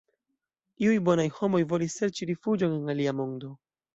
Iuj bonaj homoj volis serĉi rifuĝon en alia mondo.